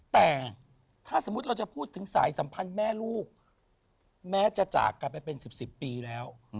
แต่ถ้าสมมุติเราจะพูดถึงสายสัมพันธ์แม่ลูกแม้จะจากกันไปเป็น๑๐ปีแล้ว